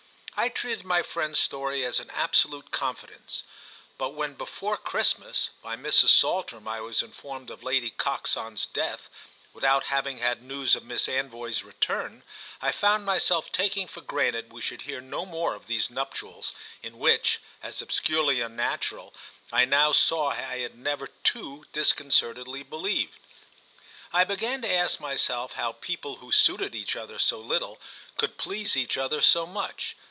I treated my friend's story as an absolute confidence; but when before Christmas, by Mrs. Saltram, I was informed of Lady Coxon's death without having had news of Miss Anvoy's return, I found myself taking for granted we should hear no more of these nuptials, in which, as obscurely unnatural, I now saw I had never too disconcertedly believed. I began to ask myself how people who suited each other so little could please each other so much.